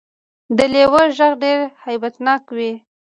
د لیوه غږ ډیر هیبت ناک وي